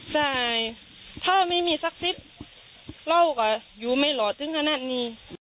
ใช่ถ้าไม่มีสักสิบเราก็อยู่ไม่หล่อถึงขนาดนี้